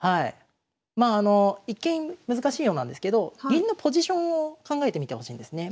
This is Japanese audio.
まああの一見難しいようなんですけど銀のポジションを考えてみてほしいんですね。